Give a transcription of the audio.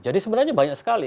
jadi sebenarnya banyak sekali